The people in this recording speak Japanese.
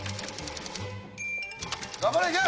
頑張れいけ！